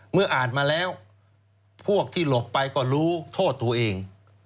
เมื่ออ่านมาแล้วพวกที่หลบไปก็รู้โทษตัวเอง